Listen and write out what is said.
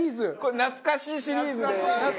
懐かしいシリーズ！